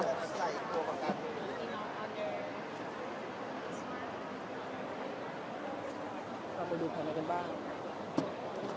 เราไปดูข้างในกันบ้าง